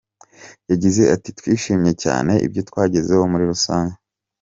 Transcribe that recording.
Yagize ati “Twishimiye cyane ibyo twagezeho muri rusange.